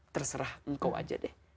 terserah engkau aja deh